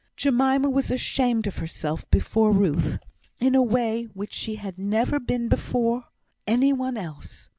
Jemima was ashamed of herself before Ruth, in a way which she had never been before any one else.